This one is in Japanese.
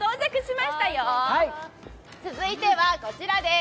続いてはこちらです。